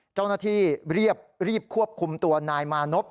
เจ้าหน้าที่รีบควบคุมตัวนายมานพ